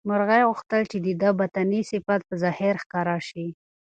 مرغۍ غوښتل چې د ده باطني صفت په ظاهر ښکاره شي.